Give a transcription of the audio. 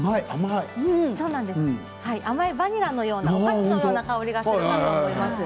甘いバニラのようなお菓子の香りがすると思います。